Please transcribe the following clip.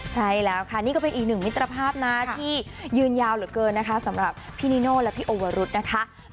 ใช่แล้วค่ะนี่ก็เป็นอีกหนึ่งมิตรภาพนะที่ยืนยาวเหลือเกินนะคะสำหรับพี่นิโน่และพี่โอวรุษนะคะ